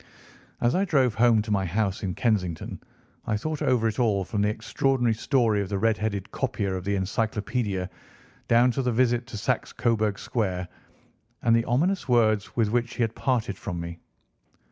As I drove home to my house in Kensington I thought over it all, from the extraordinary story of the red headed copier of the Encyclopædia down to the visit to Saxe Coburg Square, and the ominous words with which he had parted from me.